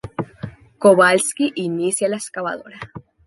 Kowalski inicia la excavadora.